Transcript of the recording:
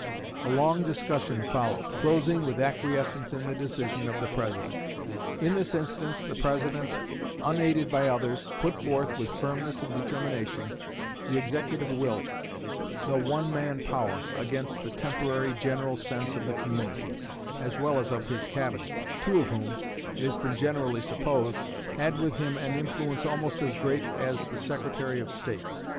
A long discussion followed, closing with acquiescence in the decision of the President. In this instance the President, unaided by others, put forth with firmness and determination the executive will the one man power against the temporary general sense of the community, as well as of his Cabinet, two of whom, it has been generally supposed, had with him an influence almost as great as the Secretary of State.